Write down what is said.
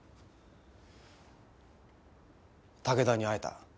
武田に会えた。